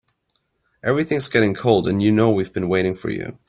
Everything's getting cold and you know we've been waiting for you.